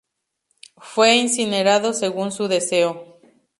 Fue incinerado según su deseo.